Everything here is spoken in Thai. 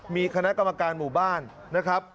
มีคณะกรรมการหมู่บ้านนะครับ